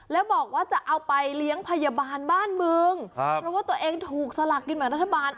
แล้วบอกว่าจะเอาไปเลี้ยงพยาบาลบ้านมึงเพราะว่าตัวเองถูกสลากกินแบ่งรัฐบาล